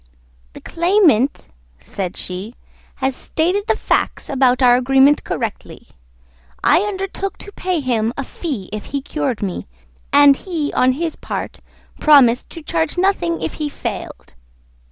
"The claimant," said she, "has stated the facts about our agreement correctly. I undertook to pay him a fee if he cured me, and he, on his part, promised to charge nothing if he failed.